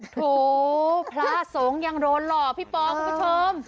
โถพระสงฆ์ยังโดนหล่อพี่ปอคุณผู้ชม